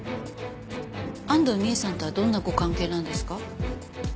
安藤美絵さんとはどんなご関係なんですか？